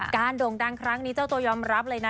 โด่งดังครั้งนี้เจ้าตัวยอมรับเลยนะ